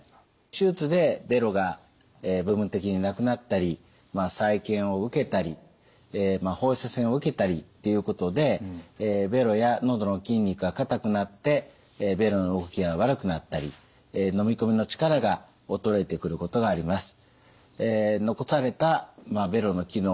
手術でべろが部分的になくなったり再建を受けたり放射線を受けたりっていうことでべろや喉の筋肉がかたくなってべろの動きが悪くなったりのみ込みの力が衰えてくることがあります。